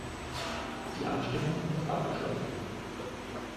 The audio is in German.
Die Abstimmung ist geschlossen.